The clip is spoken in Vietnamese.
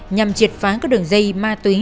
nhằm triệt phán các đường dây ma túy